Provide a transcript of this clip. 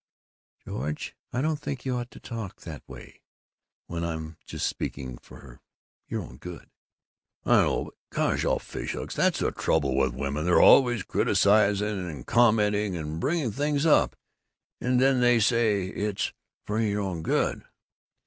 "George, I don't think you ought to talk that way when I'm just speaking for your own good." "I know, but gosh all fishhooks, that's the trouble with women! They're always criticizing and commenting and bringing things up, and then they say it's 'for your own good'!"